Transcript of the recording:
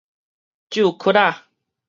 蛀窟仔